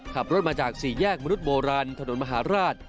ขับรถมาจากสี่แยกมนุษยโบราณถนนมหาราช